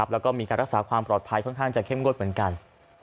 แล้วก็มีการรักษาความปลอดภัยค่อนข้างจะเข้มงวดเหมือนกัน